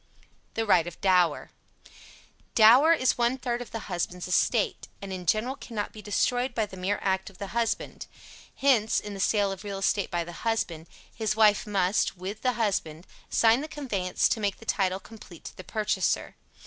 THE RIGHT OF DOWER. Dower is one third of the husband's estate, and in general cannot be destroyed by the mere act of the husband. Hence, in the sale of real estate by the husband, his wife must, with the husband, sign the conveyance to make the title complete to the purchaser.